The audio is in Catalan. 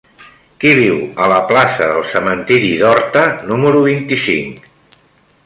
Qui viu a la plaça del Cementiri d'Horta número vint-i-cinc?